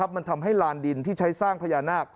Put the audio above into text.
มันทำให้ลานดินที่ใช้สร้างพญานาค